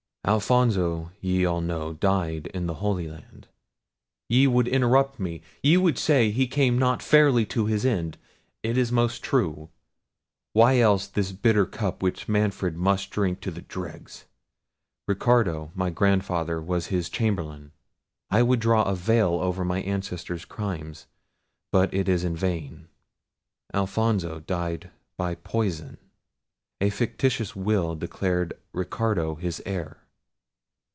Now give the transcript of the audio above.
"Alfonso, ye all know, died in the Holy Land—ye would interrupt me; ye would say he came not fairly to his end—it is most true—why else this bitter cup which Manfred must drink to the dregs. Ricardo, my grandfather, was his chamberlain—I would draw a veil over my ancestor's crimes—but it is in vain! Alfonso died by poison. A fictitious will declared Ricardo his heir.